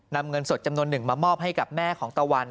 นำเงินสดจำนวนหนึ่งมามอบให้กับแม่ของตะวัน